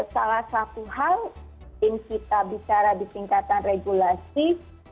salah satu hal yang kita bicara di tingkatan regulasi